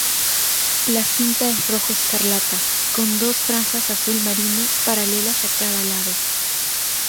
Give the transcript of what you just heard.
La cinta es rojo escarlata con dos franjas azul marino paralelas a cada lado.